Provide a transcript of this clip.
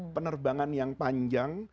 penerbangan yang panjang